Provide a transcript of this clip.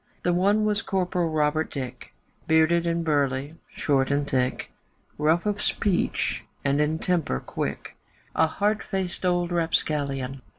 The one was Corporal Robert Dick, Bearded and burly, short and thick, Rough of speech and in temper quick, A hard faced old rapscallion.